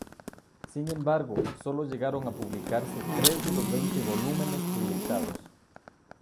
Sin embargo, sólo llegaron a publicarse tres de los veinte volúmenes proyectados.